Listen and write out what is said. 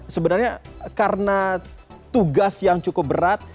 sebenarnya karena tugas yang cukup berat